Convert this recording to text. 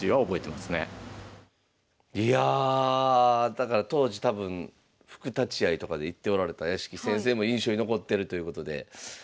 だから当時多分副立会とかで行っておられた屋敷先生も印象に残ってるということで。